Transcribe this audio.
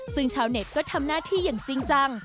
ซึ่งชาวเน็ตก็ทำหน้าที่อย่างจริงจัง